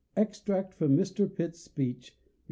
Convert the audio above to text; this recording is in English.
Extract from Mr. Pitt's Speech, Nov.